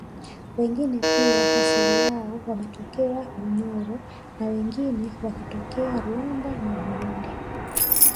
wengine pia asili yao wametokea Bunyoro na wengine wakitokea Rwanda na Burundi